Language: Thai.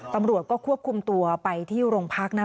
ตำรวจก็ควบคุมตัวไปที่โรงพัก